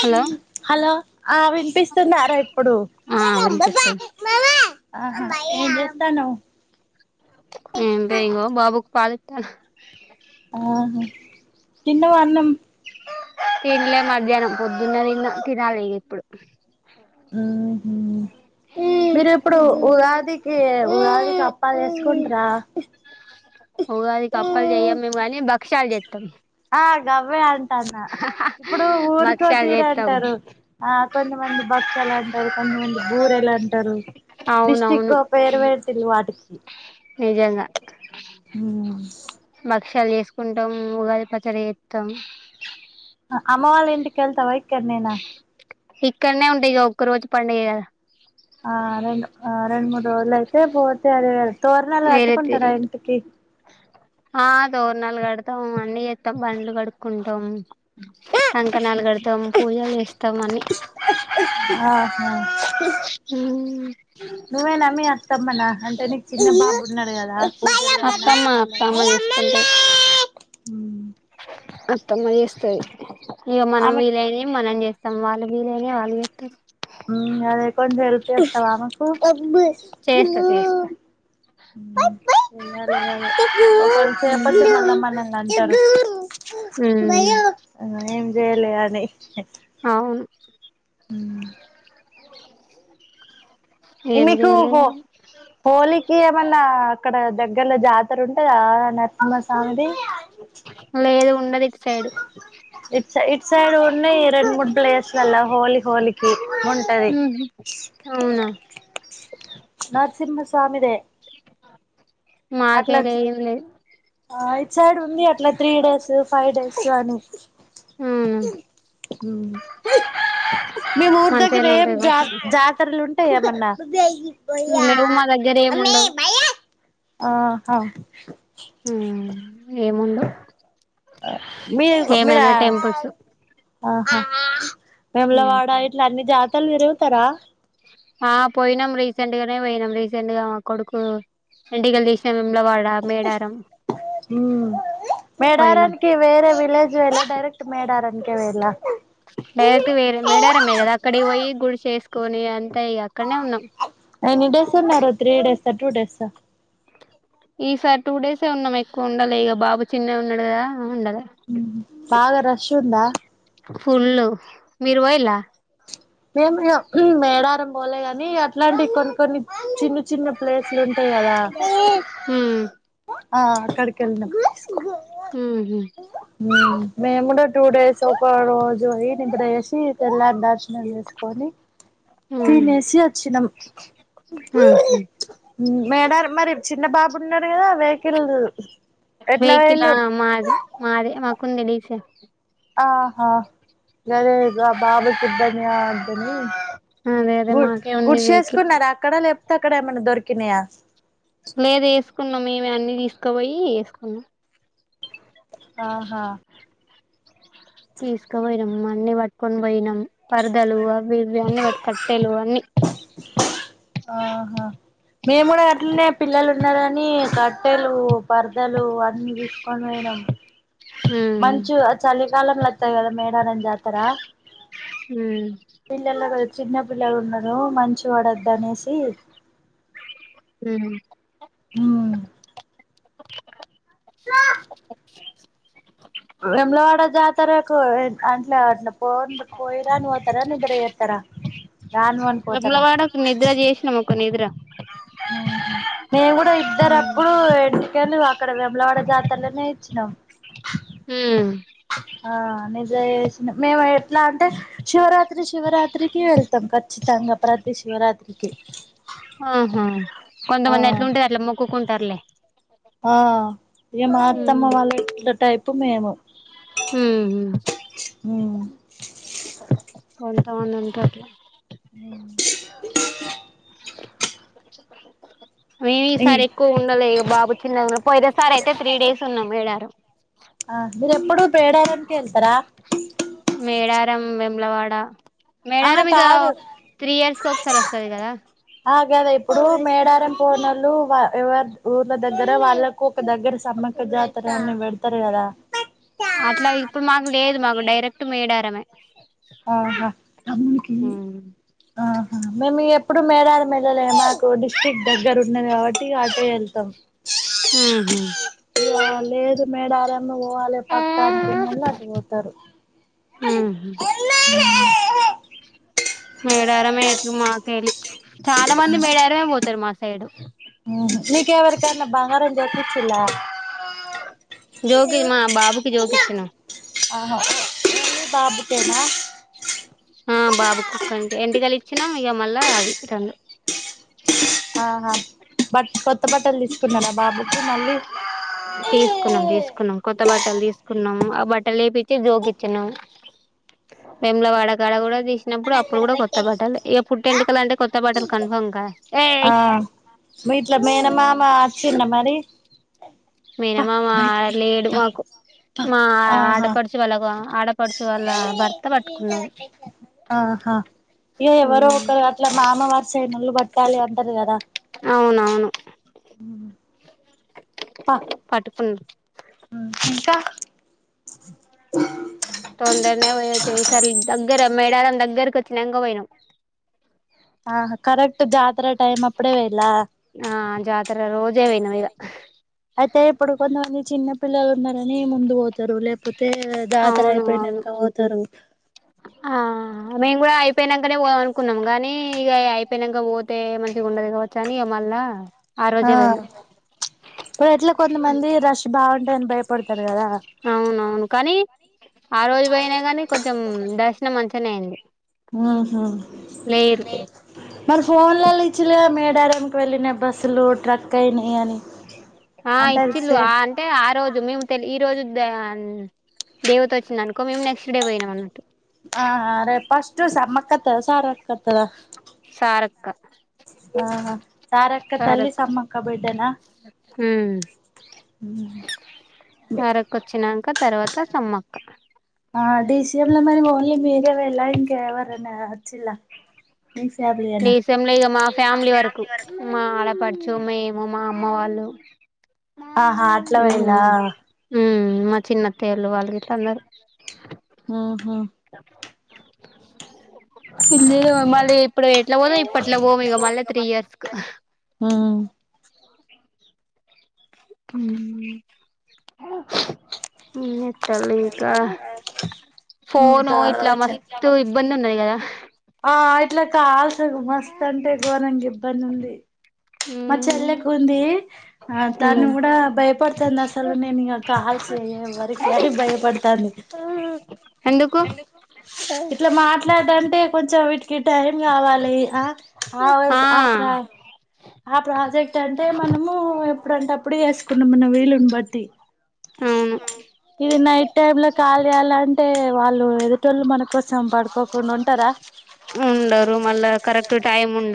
hello hello ఆ వవినిపిస్తుందరా ఇప్పుడు ఆ వినిపిస్తుంది ఏదస్తాను పాల ఇతను ఆ తిన్నావా ఆనం తినలే మధ్యాహ్నం పొద్దున్న తిన్న తినాలిదు ఇప్పుడు ఉహు మీరు ఇప్పుడు ఉగాదికి ఉగాది కప్ అప్పలు చేసుకుంట్రా చాలు చేతం ఆ గవ్వే అంటాన్న ఇప్పుడు ఊరికో భక్షాలు తీర చేత్తం అంటారు ఆ కొంతమంది భక్షలు అంటారు కొంతమంది బూరెలు అంటారు అవునవును డిస్టిక్కో పేరువేటిల్ళ వాటికి ఇ నిజంగా ఉమ్ తీసుకుంటాం ఉగాది పచ్చడి చేస్తాం అమ్మ వాళ్ళ ఇంటికి వెళ్తావా ఇక్కడనేనా ఇక్కడనే ఉంట ఇగ ఒక్క రోజు పండగే గదా అలయితే పోతే అరవే తోరణాలు వేరే తీరు అట్టుకుంటారా ఇంటికి ఆ తోరణాలు కడతాం అన్ని ఏత్తం బండ్లు కడుక్కుంటాం కంకణాలు కడతాం పూజలు చేస్తాం అన్ని ఆహా ఉ నువ్వేనా మీ అత్ అత్తమ్మనా అంటే నీకు చిన్న బాబు ఉన్నాడు గదా అత్తమ్మ అత్తమ్మ చేసుకుంటది ఉమ్ అత్తమ్మ చేస్తాది హ్ ఇగ మనం ఆమె వీలైనవి మనం చేస్ సం వాళ్లు వీలైన వాళ్ళు చేతరు ఉమ్ అదే కొంచెం హెల్ప్ చెప్తావా ఆమెకు చేస్తా చేస్తా పై చూడాలి గదా ఒకవేళ చేయకపోతే మళ్ళ మనల్ని అంటారు ఉమ్ జేయాలే అని అవును [unintelligible] ఈ మీకు చేయలే హో హోలీ కి ఏమన్నా అక్కడ దగ్గర్ లో జాతర ఉంటదా నరసింహస్వామిది లేదు ఉండదు ఇటు సైడు ఇట్ స ఇట్ సైడ్ ఉన్నాయి రెండు మూడు ప్లేసులల్ల హోలి హోలికి ఉంటది అవునా నరసింహస్వామిదే మాకే అట్లా లే ఎం లేద్ ఆ ఇట్ సైడ్ ఉంది అట్లా త్రీ డేస్ ఫైవ్ డేస్ అని అవునా మీ ఊరి దగ్గర మంచిగానే ఏం ఉంటాయి కావచ్చు జాత్ జాతర ఆల్ ఉంటాయా ఏమన్నా భై అ లేవు మా దగ్గర అమ్మి ఏముండవు భై అ ఆహా ఉమ్ ఏం ఉండవు మీరు ఇగో మీరా ఆ ఆహ ఆ వేములవాడ ఇట్లా అన్ని జాతారలు తిరుగుతారా ఆ పోయినాం రీసెంట్ గానే పోయినాం రీసెంట్ గా మా కొడుకు ఎంటికలు తీసినం మేము హ్మ్మ్ పోయినాం మెడారన్నికి వేరే విలేజ్ మీరా డైరక్ట్ మేడారనీకే పోయిళ్ళ డైరెక్ట్ వేరే కొనీ అన్ ఎన్ని డేస్ ఉన్నారు త్రీ డేస్ స టూ డేస్ ఆ ఈసారి టూ డేసే ఉన్నాం ఎక్కువ ఉండాలే ఇగా బాబు చిన్నగున్నడు గదా ఉహు బాగా రష్ ఉందా ఫుల్లు మీరు వొయ్యిలా మేము ఇగ ఉ మేడారం పోలే గాని అట్లాంటి కొన్ని కొన్ని చిన్న చిన్న ప్లేసులు ఉంటాయి కదా ఉమ్ ఆ అక్కడికి ఎళ్ళినం ఉహు ఊ మేం గుడా టూ డేస్ ఒక రోజు అయ్యి నిద్ర జేసి తెళ్ళరీ దర్శ్ ఉమ్ తినేసి వచ్చినం ఉహు మేడారం మరి చిన్న బాబు ఉన్నడు కదా వేహికిల్ వెహికిల మాది మాదే మాక్ కొన్ని డీషో ఆహా గదే గ బాబుకి ఇబ్బంది కావద్దని అదే అదే గుడ్ మాకే ఉంది గుడిసే వెహికల్ ఏసుకున్నారు అక్కడ లే అక్కడేమన్న దొరికినయా లేదు ఏసుకున్నం మేమే అన్ని తీసకపోయి ఏసుకున్నం ఆహా తీసుకపోయినాం అన్ని పట్టుకొని పోయినాం పరదలు అవి ఇవి అన్ని వట్ కట్టెలు అన్ని ఆహా మేము కూడా అట్లనే పిల్లలు ఉన్నరని కట్టెలు పరదలు అన్నీ తీసుకొని పోయినాం ఉమ్ మంచు చలికాలం లతయి కదా మేడారం జాతరా ఊ చిన్న పిల్లలు ఉన్నారు మంచు వడద్దు అనేసి ఉమ్ ఊ [inaudible] వేములవాడ జాతారకు అట్ల అట్ల పోను పోయరాను పోతరా నిద్ర చే తర వేములవాడ కు నిద్ర చేసినము ఒక నిద్ర [inaudible] ఊహు మేము కూడా ఇద్దరు అప్పుడు ఎంటికలు అక్కడ వేమలవాడ జాతరలోనే ఇచ్చినాం ఊ ఆ నిద యేష్ణ మేము ఎట్లా అంటే శివరాత్ తి శివరాత్రికి వెల్ తంకా [unintelligible] చితాంగ ప్రతి శివరాత్రి కి ఆహా కొంతమంది ఎట్లుంటది అట్లా మొక్కుకు సర్లే ఆ ఏ మా అత్తమ్మ వాళ్ళ ఇట్ల టైప్ పత్త మేము [unintelligible] హ పోతమ ఎం కాక [unintelligible] అ మేమి ఈ సారి ఎక్కువ ఉండలె ఇక బాబు చిన్న పోయిన సారి అయితే త్రీ డేస్ ఉన్నాం మేడారం మీరు ఎప్పుడు పేడారానికి వెళ్తారా మేడార వేములవాడ ఆహా మేడారం ఇక కాదు త్రీ ఇయర్స్ కు ఒకసారి వస్తది కదా ఆ గదే ఇప్పుడు మేడారం పోనోళ్ళు ఎవరి ఊర్ళ దగ్గర వాళ్ళకు ఒక దగ్గర సమ్మక్క జాతరని పెడతరు కదా అట్లా ఇప్పుడు మాకు లేదు మాకు డైరెక్ట్ మేడారమే ఆహా ఉహు ఆ మేము ఎ ఎప్పుడు మేడారం ఎల్లల మా డిస్టిక్ట్ దగ్గర ఉన్నది కాబట్టి అటే వెళ్తాం అ లేదు మేడారం పోవాలి పక్క అనుకున్న ఉహు వాళ్ళు అటు పోతారు మేడారం ఎట్లు మాకెల్లి చాలా మంది మేడారమే పోతారు మా సై ఏడు ఓహ మీకు ఎవరికన్నా బంగారం జొకిచ్చిళ్ల జోకి మా బాబుకి జోకి ఇచ్చినాం పాపా పుట్టేనా [unintelligible] ఆ బాబు కొక్కనికె ఎంటికలు ఇచ్చినమ్ ఇక మళ్ళ అది రెండు ఆహా బట్ కొత్త బట్ట తీసుకున్నం తీసుకున్నం కొత్త బట్టలు తీసుకున్నాం ఆ బట్టలు వేపిచ్చి జోకిచ్చినం వేములవాడ కాడ కూడా తీసినప్పుడు అప్పుడు కూడా కొత్త బట్టలే ఇగ పుట్టు ఎంటికలు అంటే కొత్త బట్టలు కన్ఫామ్ కదా ఆ ఏయ్ మీ ఇట్లా మేనమామ వచ్చిండ మరి ఇ మేనమామ లేడు రా మాకు పా పా మా ఆహా ఆడపడుచు వాళ్ల గా ఆహా ఇగా ఎవరో ఒకరు అట్ల మామ వరస అయినోళ్లు పట్టాలి అ ది కదా అవునవును పట్టుకున్నా ఆ ఇంకా తొందరనే పోయిచ్చినం ఈసారి దగ్గర మేడారం దగ్గరికి వచ్చినంక పోయినం ఆ కరెక్ట్ జాతర టైమ్ అప్పుడే పోయిల్ల ఆ జాతర రోజే పోయినాం ఇగ అయితే ఇప్పుడు కొంతమంది చిన్న పిల్లలు ఉన్నరని ముందు పోతరు లేకపోతే పోతే జాతర అవును అవును అయిపోయినంక పోతరు అ మేం కూడా అయి పోయినంక నే పోదాం అనుకున్నాం కానీ ఇగ అయిపోయినంక పోతే మంచిగుండది కావచ్చని ఇగ మళ్ళ ఆ ఇప్పుడు ఎట్ల కొంతమంది రష్ బాగుంట ఉంటరని భయపడుతరు అవునవును కని ఆ రోజు పోయిన కానీ కొంచెం దర్శనం మంచి గనే అయింది ఆ హ లేరు మరి ఫోన్ లల్ల ఇచ్చిళ్లు కదా మేడారం వెళ్ళిన బస్సులు ట్రక్ అయినయ్ అని ఆ అంటే అది ఇచ్చిళ్ళు సే ఆ అంటే ఆ రోజు మేము తెలి ఈ రోజు దేహన్ దేవత వచ్చిందనుకో మేము నెక్స్ట్ డే పోయినం అన్నట్టు ఆ ఆ రే పస్టు సమ్మక్క అత్తదసార క్కత్తద సారక్క ఆ ఆహ సారక్క తల్లి సమ్మక్క బిడ్డనా ఉమ్ మ్ సారక్క వచ్చినాక తర్వాత సమ్మక్క డిసిఎం లో మరి ఓన్లీ మీరే పోయిల్లా ఇంక ఎవరన్నా వచ్చిళ్ల డీసీఎం లా ఇగా మా ఫ్యామిలీ వరకు మా ఆడపడుచు చు మేము మా అమ్మ వాళ్ళు ఆహా అట్లా వేయిల్లా మా చిన్నత్తయ్యోలు వాళ్ళు గిట్లా ఉన్నారు ఉం స ఇన్ని రో మళ్ళీ ఇప్పుడు ఎట్లా పోదు ఇప్పట్లో పోము ఇక మళ్ళ త్రీ ఇయర్స్ కు ఉ ఊమ్ ఉం ఏంచేత్తలు ఇంకా ఫోను ఇంకా ఇట్లా చె మస్తు ఇబ్బంది ఉన్నది కదా ఇట్ల కాల్స్ మస్త్ అంటే గోరంగ ఇబ్ బంది మా చెల్లెకు ఉంది ఆ తను కూడా భయపడుతంది అసలు నేను ఇక కాల్స్ చేయేవరికి అని భయపడుతంది ఎందుకు ఇట్లా మాట్లాడు అంటే కొంచెం వీటికి టైం కావాలి ఆ వస్ ఆత్ర ఆ ప్రాజెక్ట్ అంటే మనము ఎప్పుడంటప్పుడు చేసుకున్నాం మన వీలుని బట్టి అవును ఇది నైట్ టైమ్ లో కాల్ చేయాలంటే వాళ్లు ఎదో ట్టోలు మన కోసం పడుకోకుండా ఉంటరా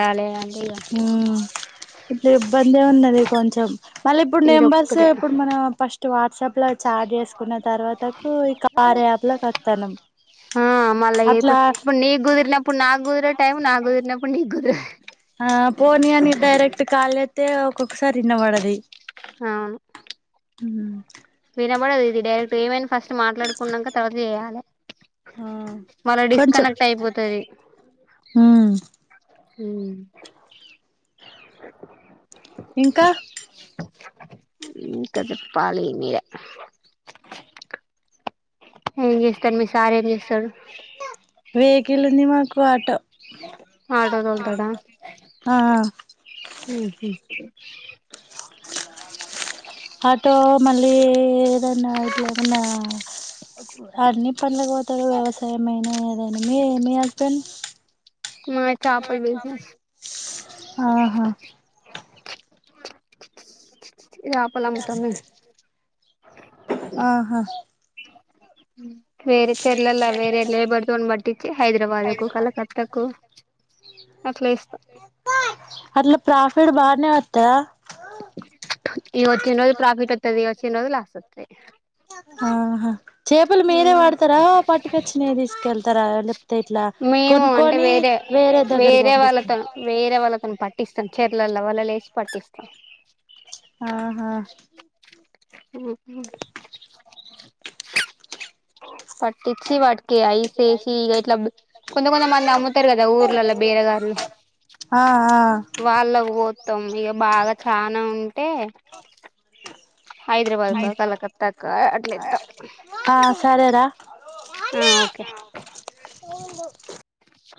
రాలే అని ఊమ్ జెబ్ ఇబ్బందే ఉన్నది కొంచెం మళ్ళీ ఇప్పుడు నెంబర్స్ ఇదొక్కటే ఇప్పుడు మన ఫస్ట్ వాట్సాప్ ఇట్లా చాట్ చేసుకున్నద్ వత్తన్నాం ఆ మళ్ళ ఇప్ అట్లా ఇప్పుడు నీ కుదిరినప్పుడు నాకు కుదరది టైమ్ నా కుదిరినప్పుడు నీకు కుదరది ఆ పోనీ అని డైరెక్ట్ కాల్ చేత్తే ఒక్కొక్కసారి ఇనబడది అవును ఊమ్ ఇనబడదు ఇది డరక్ట్ ఏమెన్ ఫస్ట్ మాట్లాడుకున్నంక తర్వాత చేయలే ఆ మళ్ళ కొంచెం డిస్కనెక్ట్ అయిపోతది ఉమ్ ఊమ్ ఇంకా ఇం కద పాలియ్ మీయె ఏంజే తన్ మీ సారేం జెస్సరు, వెహికల్ ఉంది మాకు ఆటో ఆటోదొల్ తడ, ఆ ఉహు అ ఆటో మళ్లీ జొనా ఇట్ల ఎవన్నా అన్ని పంన్లక్ ఒ తరు వ్యవసాయం ఐన ఎదైన మీ మీ హస్బెంన్ మా చేపల బిజినెస్ స్ ఆహా చేపలు అమ్ముతాం మేము ఆహా హ వేరే చెల్లల్ల వేరే లేబర్దోని పట్టించి హైద్రాబాదుకు, కలకత్తకు అట్లేస్త త్తద వచ్చిన రోజు ప్రాఫిట్ వత్తది వచ్చిన రోజు లాస్ ఆహా చేపలు మీరే వత్తది వడతర పట్టుకొచ్చినవి తీసుకెళ్తారా లేపోతే ఇట్లా మేము అంటే కొనుక్కొని వేరే దగ్గరికి పంపిస్ చెర్లల్ల వల లేసి పట్టిస్ [inaudible] ఆహా ఉ ఉ పట్టి వచ్చి వాటికి ఐసేసి ఇగ ఇట్ల కొంత మంది అమ్మాన్నె అమ్ముతరు కదా ఊర్లల్ల బేరగార్లు, ఆ ఆ వాళ్ళవ్ వొత్తం ఇక బాగా చానా ఉంటే హైద్రాబాద్ కు కలకత్తా కా అట్లెత్త కద ఆ ఓకే